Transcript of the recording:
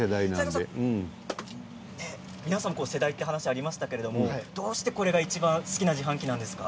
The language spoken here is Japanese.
皆さん世代という話がありましたがどうしていちばん好きなのが自販機なんですか。